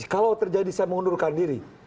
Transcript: kalau terjadi saya mengundurkan diri